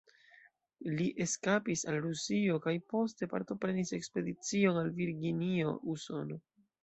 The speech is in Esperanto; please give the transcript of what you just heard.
Li eskapis al Rusio kaj poste partoprenis ekspedicion al Virginio, Usono.